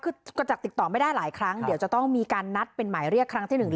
คือกระจักษ์ติดต่อไม่ได้หลายครั้งเดี๋ยวจะต้องมีการนัดเป็นหมายเรียกครั้งที่๑